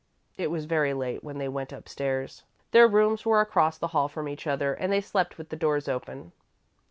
It was very late when they went up stairs. Their rooms were across the hall from each other and they slept with the doors open.